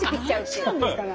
何なんですかね